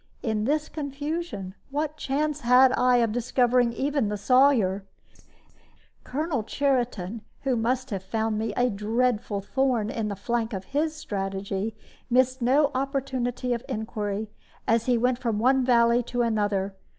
In this confusion, what chance had I of discovering even the Sawyer? Colonel Cheriton (who must have found me a dreadful thorn in the flank of his strategy) missed no opportunity of inquiry, as he went from one valley to another.